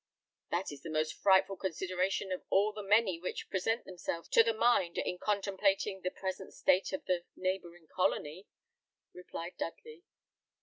"That is the most frightful consideration of all the many which present themselves to the mind in contemplating the present state of the neighbouring colony," replied Dudley.